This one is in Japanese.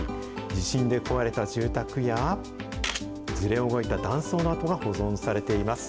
地震で壊れた住宅や、ずれ動いた断層の跡が保存されています。